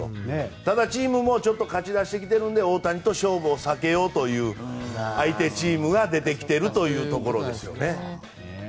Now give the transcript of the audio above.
ただ、チームも勝ち出しているので大谷と勝負を避けようという相手チームが出てきているというところですよね。